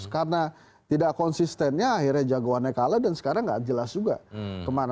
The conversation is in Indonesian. karena tidak konsistennya akhirnya jagoannya kalah dan sekarang nggak jelas juga kemana